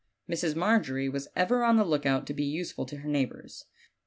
Mrs. Margery was ever on the lookout to be useful to her neighbors.